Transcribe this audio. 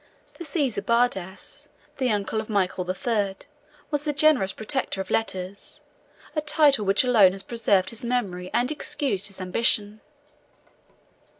The Caesar Bardas, the uncle of Michael the Third, was the generous protector of letters, a title which alone has preserved his memory and excused his ambition.